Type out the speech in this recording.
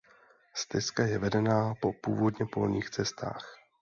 Stezka je vedena po původně polních cestách.